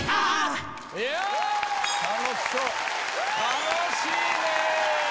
楽しいねぇ。